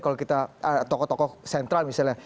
kalau kita ada tokoh tokoh sentral misalnya